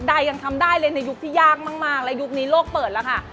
ยังทำได้เลยในยุคที่ยากมากและยุคนี้โลกเปิดแล้วค่ะ